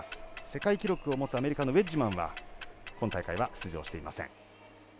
世界記録を持つアメリカのウェッジマンは今大会は出場していません。